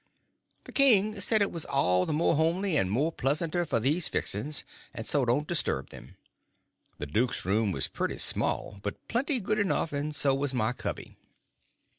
The king said it was all the more homely and more pleasanter for these fixings, and so don't disturb them. The duke's room was pretty small, but plenty good enough, and so was my cubby.